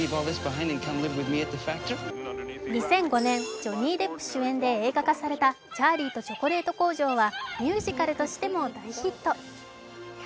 ２００５年、ジョニー・デップ主演で映画化された「チャーリーとチョコレート工場」はミュージカルとしても大ヒット。